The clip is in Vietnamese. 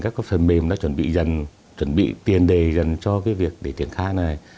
các phần mềm đã chuẩn bị dần chuẩn bị tiền đề dần cho việc để triển khai này